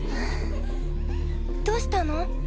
どうしたの？